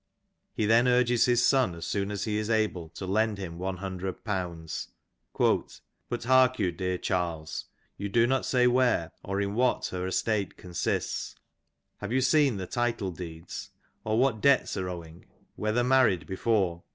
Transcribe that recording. '" He then urges his son as soon as he is able to lend him one hundred pounds. " But hark you, dear Charles, you do not say " where or in what her estate consists. Have you seen the title " deeds ! or what debts are owing ? whether married before